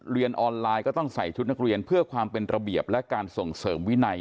เรียนออนไลน์ก็ต้องใส่ชุดนักเรียนเพื่อความเป็นระเบียบและการส่งเสริมวินัย